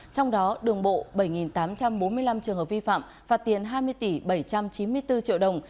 trong đó đường bộ bảy tám trăm bốn mươi năm trường hợp vi phạm phạt tiền hai mươi tỷ bảy trăm chín mươi bốn triệu đồng